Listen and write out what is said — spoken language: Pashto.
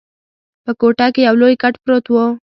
په کوټه کي یو لوی کټ پروت وو.